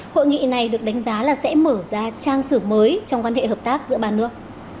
hội nghị này được đánh giá là sẽ mở ra trang sử mới trong quan hệ hợp tác giữa ba nước